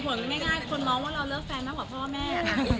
อ่ะเหตุผลก็ง่ายคนมองว่าเราเลิกแฟนมากกว่าพ่อแม่